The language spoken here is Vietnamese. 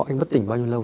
và người đàn ông ấy